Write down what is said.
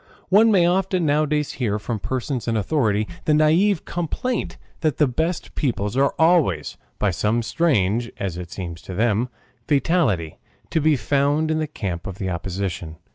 One may often nowadays hear from persons in authority the naïve complaint that the best people are always, by some strange as it seems to them fatality, to be found in the camp of the opposition.